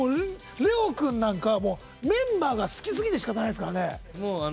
ＬＥＯ君なんかメンバーが好きすぎてしかたがないですからね。